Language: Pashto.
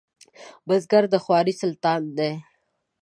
بزګر د خوارۍ سلطان دی